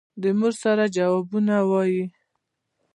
د مور سره جوابونه وايي.